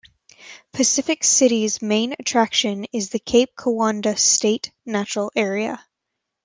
Pacific City's main attraction is the Cape Kiwanda State Natural Area.